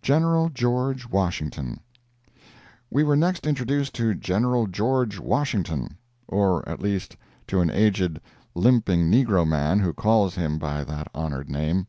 GENERAL GEORGE WASHINGTON We were next introduced to General George Washington, or, at least, to an aged, limping negro man, who called himself by that honored name.